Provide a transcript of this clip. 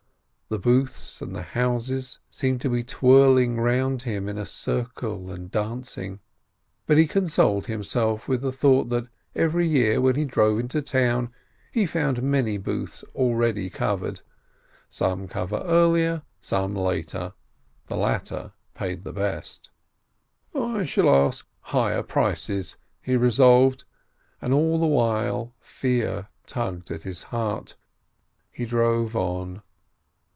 The booths and the houses seemed to be LATE 417 twirling round him in a circle, and dancing. But he consoled himself with the thought that every year, when he drove into town, he found many booths already covered. Some cover earlier, some later. The latter paid the best. "I shall ask higher prices," he resolved, and all the while fear tugged at his heart. He drove on.